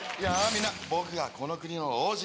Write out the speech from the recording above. みんな僕はこの国の王子。